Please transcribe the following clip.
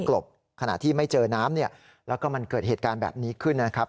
แล้วก็มันเกิดเหตุการณ์แบบนี้ขึ้นนะครับ